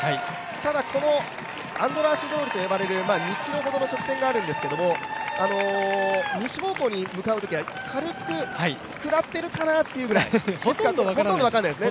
ただこのアンドラーシ通りと呼ばれる２ｋｍほどの直線があるんですけれども西方向に向かうときは軽く下ってるかなっていうぐらいほとんど分からないです。